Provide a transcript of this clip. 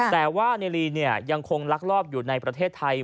แต่ว่าในลียังคงลักลอบอยู่ในประเทศไทย